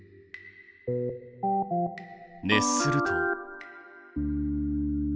熱すると。